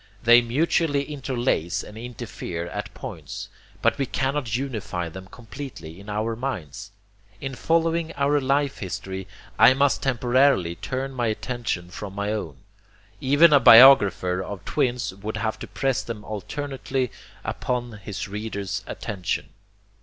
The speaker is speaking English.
They mutually interlace and interfere at points, but we cannot unify them completely in our minds. In following your life history, I must temporarily turn my attention from my own. Even a biographer of twins would have to press them alternately upon his reader's attention.